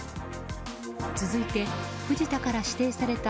続いて藤田から指定された